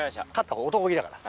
男気だから。